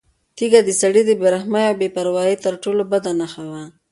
تیږه د سړي د بې رحمۍ او بې پروایۍ تر ټولو بده نښه وه.